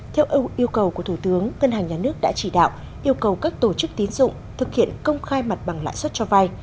theo yêu cầu của thủ tướng ngân hàng nhà nước đã chỉ đạo yêu cầu các tổ chức tín dụng thực hiện công khai mặt bằng lãi suất cho vay